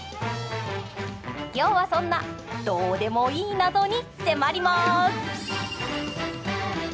今日はそんなどうでもいい謎に迫ります。